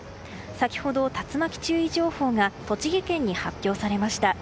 先ほど、竜巻注意情報が栃木県に発表されました。